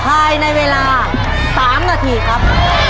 ภายในเวลา๓นาทีครับ